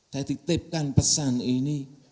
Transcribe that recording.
saya titipkan pesan ini